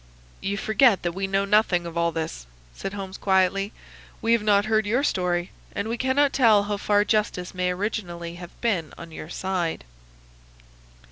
"You forget that we know nothing of all this," said Holmes quietly. "We have not heard your story, and we cannot tell how far justice may originally have been on your side."